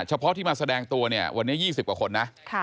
เฉพาะที่มาแสดงตัวเนี่ยวันนี้๒๐กว่าคนนะ